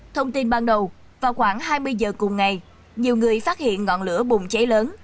thông tin ban đầu vào khoảng hai mươi giờ cùng ngày nhiều người phát hiện ngọn lửa bùng cháy lớn